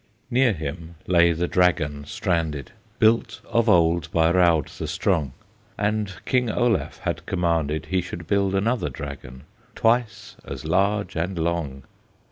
Near him lay the Dragon stranded, Built of old by Raud the Strong, And King Olaf had commanded He should build another Dragon, Twice as large and long.